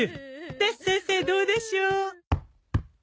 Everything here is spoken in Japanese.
で先生どうでしょう？